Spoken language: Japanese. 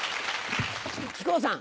木久扇さん。